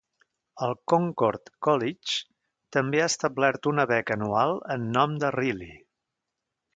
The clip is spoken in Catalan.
El Concord College també ha establert una beca anual en nom de Riley.